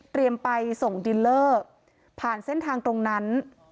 ไปส่งดินเลอร์ผ่านเส้นทางตรงนั้น